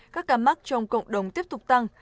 các cá mắc trong cộng đồng tiếp tục tăng